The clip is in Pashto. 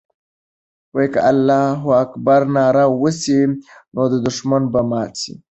که د الله اکبر ناره وسي، نو دښمن به مات سي.